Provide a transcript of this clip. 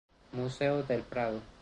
Museo del Prado